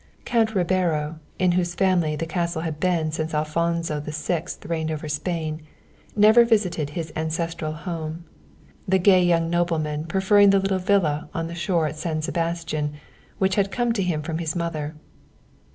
Count Ribero, in whose family the castle had been since Alfonso VI reigned over Spain, never visited his ancestral home, the gay young nobleman preferring the little villa on the shore at San Sebastian which had come to him from his mother.